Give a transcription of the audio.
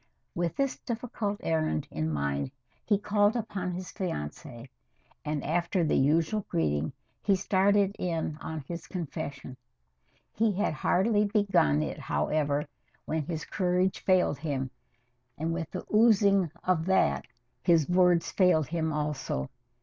With this difficult errand in mind, he called upon his fiancée, and, after the usual greeting, he started in on his confession. He had hardly begun it, however, when his courage failed him, and with the oozing of that his words failed him also.